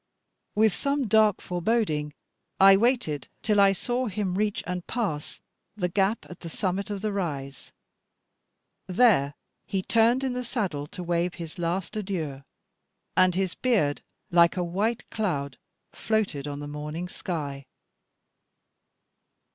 With some dark foreboding, I waited till I saw him reach and pass the gap at the summit of the rise. There he turned in the saddle to wave his last adieu, and his beard, like a white cloud, floated on the morning sky.